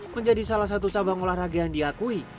menjadi salah satu cabang olahraga yang diakui